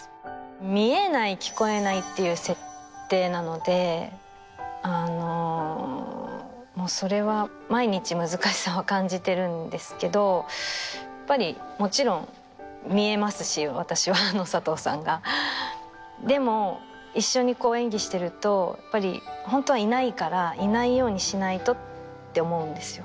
見えない聞こえないっていう設定なのであのもうそれは毎日難しさを感じてるんですけどやっぱりもちろん見えますし私は佐藤さんがでも一緒にこう演技してるとやっぱりホントはいないからいないようにしないとって思うんですよ